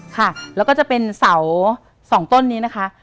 ค่ะแล้วก็จะเป็นเสา๒ต้นนี้นะคะ